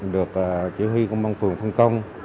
được chỉ huy công an phường phân công